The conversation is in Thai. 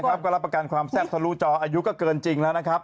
รับก็รับประกันความแซ่บทะลุจออายุก็เกินจริงแล้วนะครับ